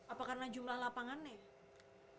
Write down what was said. apa karena jumlah lapangannya